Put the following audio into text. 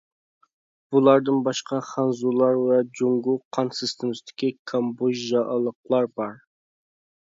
بۇلاردىن باشقا خەنزۇلار ۋە جۇڭگو قان سىستېمىسىدىكى كامبودژالىقلار بار.